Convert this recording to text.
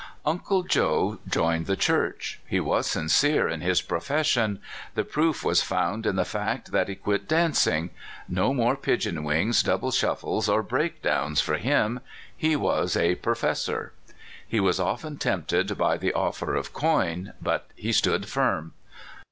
Uncle Joe joined the Church. He was sincere in his profession. The proof was found in the fact that he quit dancing. No more "pigeon wings," "double shuffles," or "breakdowns," for him he was a "perfessor." He was often tempted by the offer of coin, but he stood firm.